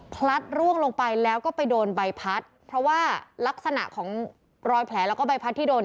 พลัดร่วงลงไปแล้วก็ไปโดนใบพัดเพราะว่าลักษณะของรอยแผลแล้วก็ใบพัดที่โดน